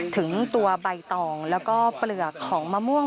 ถึงตัวใบตองแล้วก็เปลือกของมะม่วง